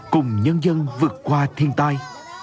cùng nhân dân vượt qua thiên tai